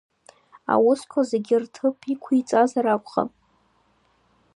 Аусқәа зегьы рҭыԥ иқәиҵазар акәхап.